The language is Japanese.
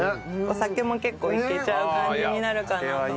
お酒も結構いけちゃう感じになるかなと思います。